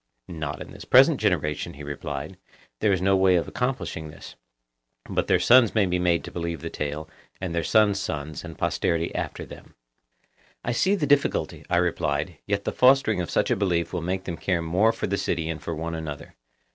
Not in the present generation, he replied; there is no way of accomplishing this; but their sons may be made to believe in the tale, and their sons' sons, and posterity after them. I see the difficulty, I replied; yet the fostering of such a belief will make them care more for the city and for one another.